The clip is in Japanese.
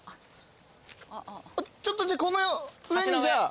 ちょっとこの上にじゃあ。